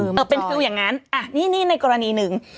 เออเป็นความรู้สึกอย่างนั้นนี่ในกรณีหนึ่ง